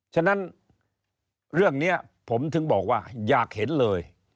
ฉะนั้นเรื่องนี้ผมถึงบอกว่าอยากเห็นเลย